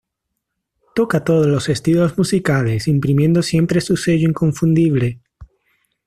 Toca todos los estilos musicales imprimiendo siempre su sello inconfundible.